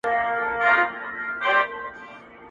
• دې ویاله کي اوبه تللي سبا بیا پکښی بهېږي -